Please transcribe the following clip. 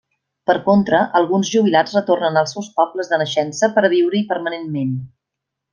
Per contra, alguns jubilats retornen als seus pobles de naixença per a viure-hi permanentment.